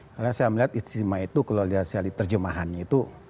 karena saya melihat istimewa itu kalau lihat di terjemahannya itu